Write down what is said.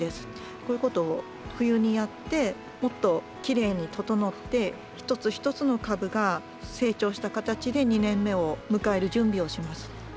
こういうことを冬にやってもっときれいに整って一つ一つの株が成長した形で２年目を迎える準備をします。